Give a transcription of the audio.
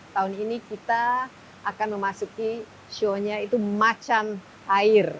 tahun ini kita akan memasuki show nya itu macan air